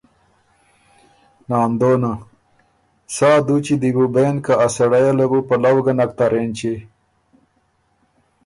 ناندونه: سا دوچي دی بو بېن که ا سړئ یه له بُو پلؤ ګۀ نک تر اېنچی،